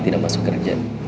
tidak masuk kerjaan